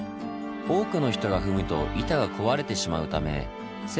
多くの人が踏むと板が壊れてしまうため